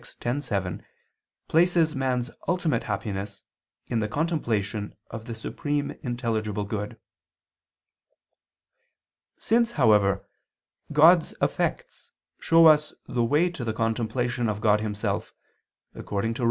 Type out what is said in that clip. x, 7) places man's ultimate happiness in the contemplation of the supreme intelligible good. Since, however, God's effects show us the way to the contemplation of God Himself, according to Rom.